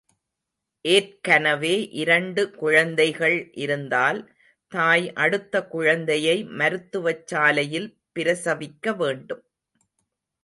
ஏற்கனவே இரண்டு குழந்தைகள் இருந்தால் தாய் அடுத்த குழந்தையை மருத்துவச் சாலையில் பிரசவிக்க வேண்டும்.